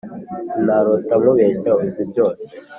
Sinarota nkubeshya uzi byose